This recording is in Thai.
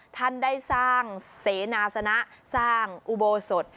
ท่านได้สร้างเสนาสนะสร้างอุโบสถ